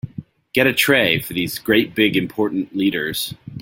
Get a tray for these great big important leaders.